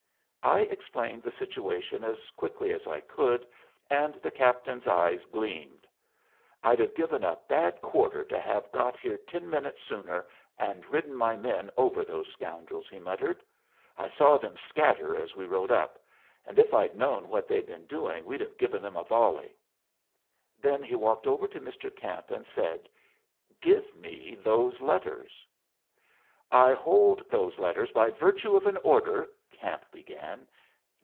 I explained the situation as quickly as I could, and the captain's eyes gleamed. "I'd have given a bad quarter to have got here ten minutes sooner and ridden my men over those scoundrels," he muttered. "I saw them scatter as we rode up, and if I'd known what they'd been doing we'd have given them a volley." Then he walked over to Mr. Camp and said, "Give me those letters." "I hold those letters by virtue of an order " Camp began.